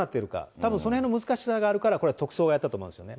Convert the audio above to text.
たぶん、そのへんの難しさがあるから、これは特捜がやったと思うんですよね。